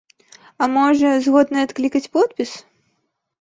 А можа, згодныя адклікаць подпіс?